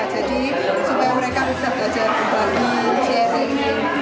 jadi supaya mereka bisa belajar berbagi share bagi